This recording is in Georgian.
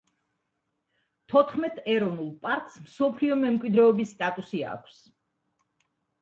თოთხმეტ ეროვნულ პარკს მსოფლიო მემკვიდრეობის სტატუსი აქვს.